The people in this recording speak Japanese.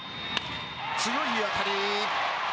強い当たり！